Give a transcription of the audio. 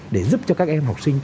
để giúp cho các em học sinh